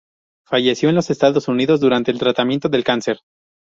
Falleció en los Estados Unidos durante el tratamiento del cáncer.